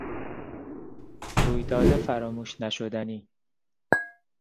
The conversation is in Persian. رویداد فراموش نشدنی